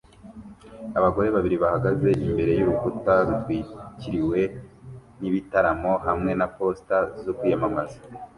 Abagore babiri bahagaze imbere y'urukuta rutwikiriwe n'ibitaramo hamwe na posita zo kwiyamamaza